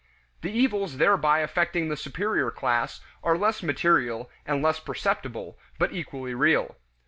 The evils thereby affecting the superior class are less material and less perceptible, but equally real.